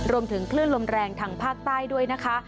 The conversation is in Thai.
รวมถึงคลื่นลมแรงทางภาคใต้ด้วยนะคะ